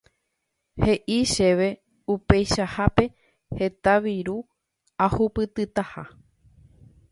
He'i chéve upeichahápe heta viru ahupytytaha.